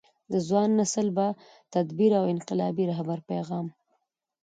د ځوان نسل با تدبیره او انقلابي رهبر پیغام